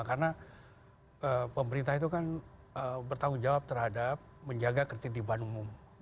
karena pemerintah itu kan bertanggung jawab terhadap menjaga ketidakpuan umum